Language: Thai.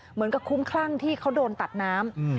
เหมือนกับคุ้มคลั่งที่เขาโดนตัดน้ำ